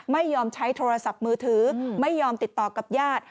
ไม่ยอมใช้โทรศัพท์มือถือไม่ยอมติดต่อกับญาติ